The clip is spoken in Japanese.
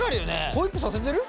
ホイップさせてる？